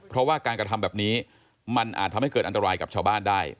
เพราะว่าการกระทำแบบนี้มันอาจทำให้เกิดอันตรายกับชาวบ้านได้